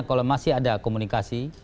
kalau masih ada komunikasi